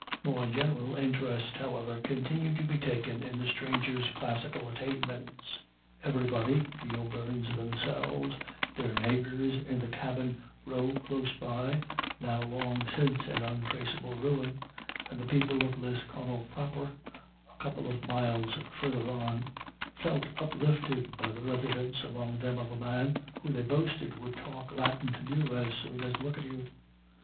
More general interest, however, continued to be taken in the stranger's classical attainments. Everybody the O'Beirnes themselves, their neighbours in the cabin row close by, now long since an untraceable ruin, and the people of Lisconnel proper, a couple of miles further on felt uplifted by the residence among them of a man, who they boasted would talk Latin to you as soon as look at you.